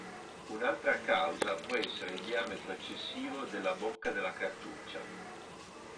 Un'altra causa può essere il diametro eccessivo della bocca della cartuccia.